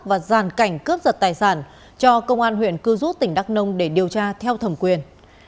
và giàn cảnh cướp giật tài sản cho công an huyện cư rút tỉnh đắk nông để điều tra theo thẩm quyền